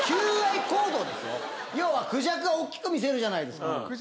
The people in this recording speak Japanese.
要はクジャクはおっきく見せるじゃないですか。